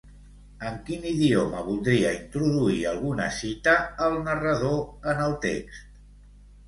En quin idioma voldria introduir alguna cita, el narrador, en el text?